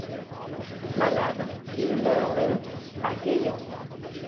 Malade, il meurt le à Gaillon.